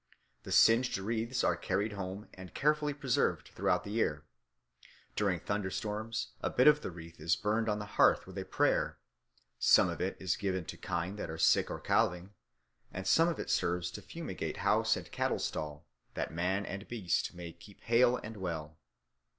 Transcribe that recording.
The singed wreaths are carried home and carefully preserved throughout the year. During thunderstorms a bit of the wreath is burned on the hearth with a prayer; some of it is given to kine that are sick or calving, and some of it serves to fumigate house and cattle stall, that man and beast may keep hale and well.